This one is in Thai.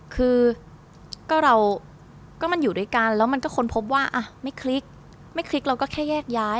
คือก็เราก็มันอยู่ด้วยกันแล้วมันก็ค้นพบว่าอ่ะไม่คลิกไม่คลิกเราก็แค่แยกย้าย